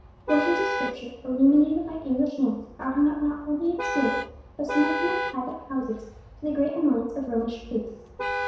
Portions of Scripture, illuminated by English hands, are hung up not only in schools, but some of them in private houses, to the great annoyance of Romish priests.